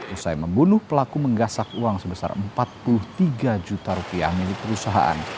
usai membunuh pelaku menggasak uang sebesar empat puluh tiga juta rupiah milik perusahaan